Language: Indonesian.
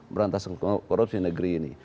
berantas korupsi negeri ini